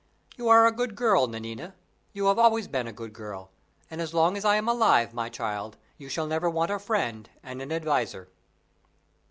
You are a good girl, Nanina you have always been a good girl and as long as I am alive, my child, you shall never want a friend and an adviser."